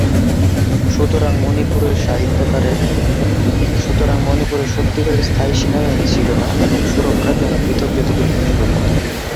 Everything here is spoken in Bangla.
সুতরাং মণিপুরের সত্যিকারের স্থায়ী সেনাবাহিনী ছিল না এবং সুরক্ষার জন্য পৃথক যোদ্ধাদের উপর নির্ভর করত।